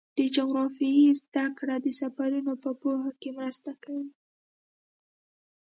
د جغرافیې زدهکړه د سفرونو په پوهه کې مرسته کوي.